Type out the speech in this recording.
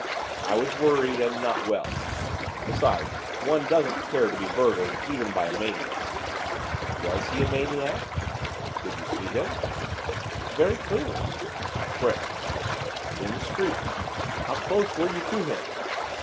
'I was worried, and not well. Besides, one doesn't care to be burgled, even by a maniac.' 'Was he a maniac?' 'Did you see him?' 'Very clearly.' 'Where?' 'In the street.' 'How close were you to him?